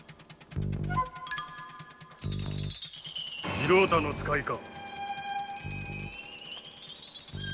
次郎太の使いか？